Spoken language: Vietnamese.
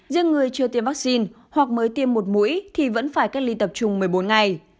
riêng người chưa tiêm vaccine hoặc mới tiêm một mũi thì vẫn phải cách ly tập trung một mươi bốn ngày